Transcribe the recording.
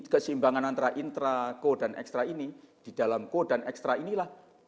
keseimbangan antara intra co dan ekstra ini di dalam ko dan ekstra inilah